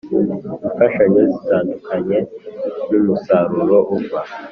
imfashanyo zitandukanye n umusaruro uva